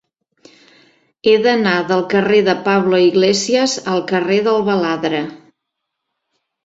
He d'anar del carrer de Pablo Iglesias al carrer del Baladre.